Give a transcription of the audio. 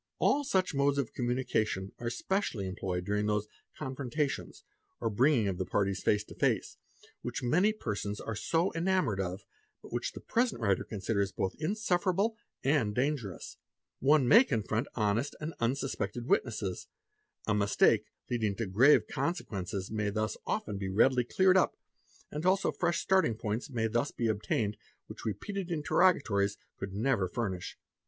All such modes of communication are specially employed during those 'confrontations,' or bringing of the parties face to face, which many persons are so enamoured of, but which the present writer considers both insufferable and dangerous. One may confront honest and unsuspected | witnesses ; a mistake leading to grave consequences may thus often be | readily cleared up, and also fresh starting points may thus be obtainec which repeated interrogatories could never furnish.